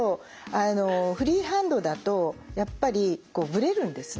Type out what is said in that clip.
フリーハンドだとやっぱりぶれるんですね。